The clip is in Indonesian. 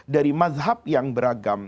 dari madhab yang beragam